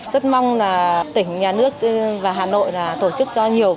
rất mong là tỉnh nhà nước và hà nội là tổ chức cho nhiều